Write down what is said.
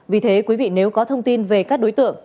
vì thế quý vị nếu có thông tin về các đối tượng